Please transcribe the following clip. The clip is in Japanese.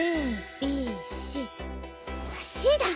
Ｃだ！